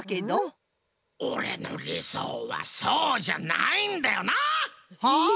オレのりそうはそうじゃないんだよな！はあ？